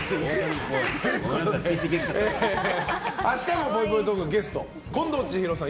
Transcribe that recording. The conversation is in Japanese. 明日のぽいぽいトークのゲストは、近藤千尋さん